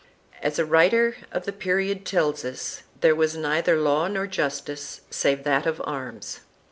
As a writer of the period tells us, there was neither law nor justice save that of arms.